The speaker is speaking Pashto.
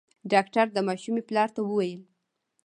ډاکټر د ماشومي پلار ته وويل :